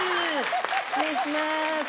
失礼します。